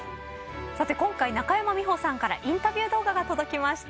さて今回中山美穂さんからインタビュー動画が届きました。